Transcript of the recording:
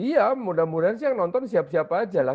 iya mudah mudahan siang nonton siap siap aja lah